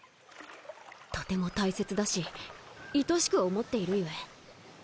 とても大切だし愛しく思っているゆえ。